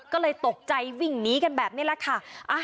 ก็เลยตกใจวิ่งหนีกันแบบนี้แหละค่ะ